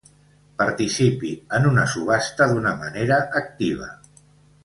Participi en una subhasta d'una manera activa.